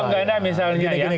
kalau bang kanda misalnya ya